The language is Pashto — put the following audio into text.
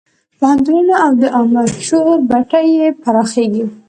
پوهنتونونه او د عامه شعور بټۍ یې پراخېږي.